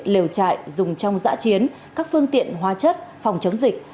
lều trại dùng trong giã chiến các phương tiện hóa chất phòng chống dịch